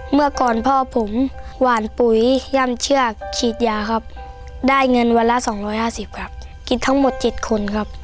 เมื่อก่อนพ่อผมหวานปุ๋ยย่ำเชือกฉีดยาครับได้เงินวันละ๒๕๐ครับกินทั้งหมด๗คนครับ